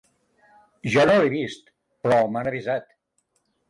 Jo no l’he vist però m’han avisat.